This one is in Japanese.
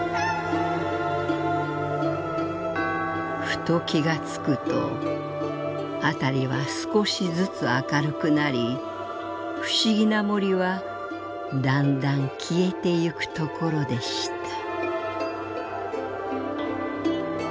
「ふと気がつくと辺りは少しずつ明るくなり不思議な森はだんだん消えてゆくところでした」。